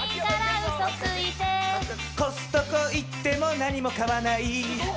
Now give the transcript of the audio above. コストコ行っても何も買わない。